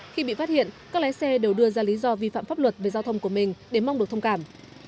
khi bị phát hiện các lái xe đều đưa ra lý do vi phạm pháp luật về giao thông của mình để mong được thông cảm